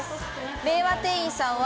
令和店員さんは。